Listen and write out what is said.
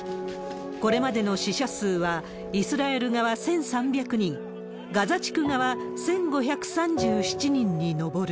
これまでの死者数はイスラエル側１３００人、ガザ地区側１５３７人に上る。